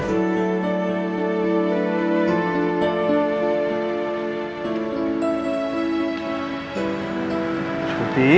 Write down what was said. ibu aku mau pergi dulu